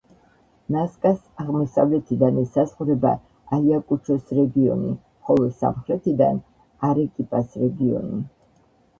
ნასკას აღმოსავლეთიდან ესაზღვრება აიაკუჩოს რეგიონი, ხოლო სამხრეთიდან არეკიპას რეგიონი.